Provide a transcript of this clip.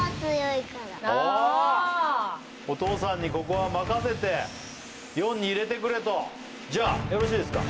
あおお父さんにここは任せて４に入れてくれとじゃあよろしいですか？